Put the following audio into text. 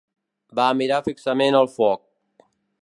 Va mirar fixament el foc.